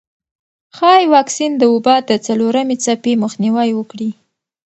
ښايي واکسین د وبا د څلورمې څپې مخنیوی وکړي.